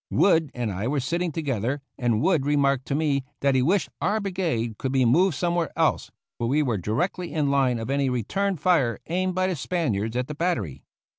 Wood and I were sitting together, and Wood remarked to me that he wished our bri gade could be moved somewhere else, for we were directly in line of any return fire aimed by the Spaniards at the battery.